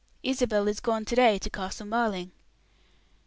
"Isabel is gone to day to Castle Marling."